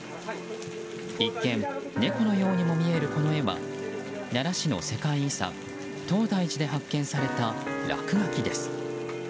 一見、猫のようにも見えるこの絵は奈良市の世界遺産・東大寺で発見された落書きです。